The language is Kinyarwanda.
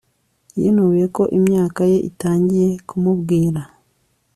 Yinubiye ko imyaka ye itangiye kumubwira